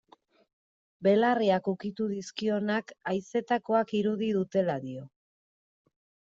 Belarriak ukitu dizkionak, haizetakoak irudi dutela dio.